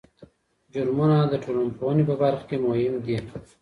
جرمونه د ټولنپوهني په برخه کې مهمه دي.